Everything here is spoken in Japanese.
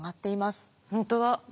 本当だ！